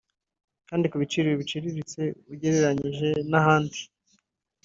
kandi ku biciro biciriritse ugereranije n’ahandi